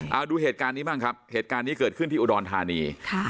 เอาดูเหตุการณ์นี้บ้างครับเหตุการณ์นี้เกิดขึ้นที่อุดรธานี